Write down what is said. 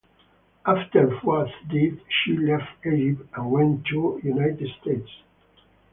After Fuad's death, she left Egypt and went to the United States.